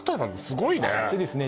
すごいねでですね